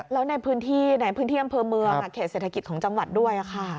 แล้วในพื้นที่ในพื้นที่อำเภอเมืองเขตเศรษฐกิจของจังหวัดด้วยค่ะ